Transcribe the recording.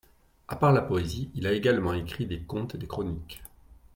À part la poésie, il a également écrit des contes et des chroniques.